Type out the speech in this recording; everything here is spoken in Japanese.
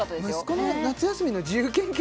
息子の夏休みの自由研究